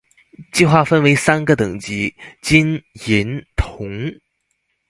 計畫分為三個等級：金、銀、銅